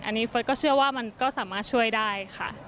อันนี้เฟิร์สก็เชื่อว่ามันก็สามารถช่วยได้ค่ะ